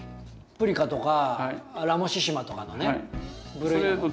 プリカとかラモシシマとかのね部類なの？